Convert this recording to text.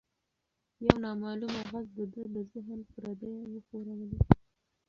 یو نامعلومه غږ د ده د ذهن پردې وښورولې.